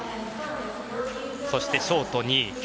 そしてショート２位。